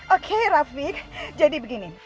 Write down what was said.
oke rafiq jadi begini